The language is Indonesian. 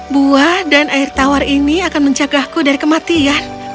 buah dan air tawar ini akan mencegahku dari kematian